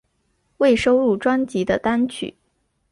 未收录专辑的单曲